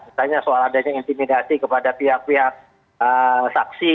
misalnya soal adanya intimidasi kepada pihak pihak saksi